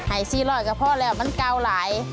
๔๐๐ก็พอแล้วมันเก่าหลาย